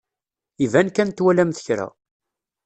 Iban kan twalamt kra.